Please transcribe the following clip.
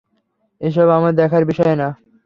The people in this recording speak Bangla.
এসব আমার দেখার বিষয় না।